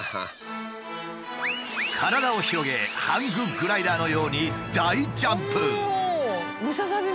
体を広げハンググライダーのように大ジャンプ！